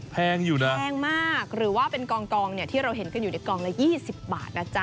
แพงอยู่นะแพงมากหรือว่าเป็นกองเนี่ยที่เราเห็นกันอยู่ในกองละ๒๐บาทนะจ๊ะ